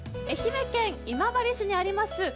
愛媛県今治市にあります